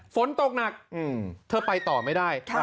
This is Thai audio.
ฝนตกหนักเธอไปต่อไม่ได้